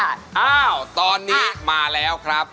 อ้าวตอนนี้มาแล้วครับ